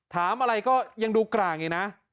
ถามอะไรก็ยังดูกร่างอย่างนี้นะ